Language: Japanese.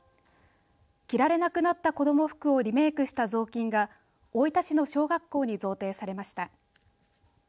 着られなくなった子ども服をリメークしたぞうきんが大分市の小学校に贈呈されました。